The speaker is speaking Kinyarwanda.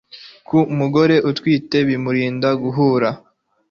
ku mugore utwite bimurinda guhura